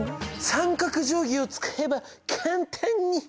三角定規を使えば簡単に！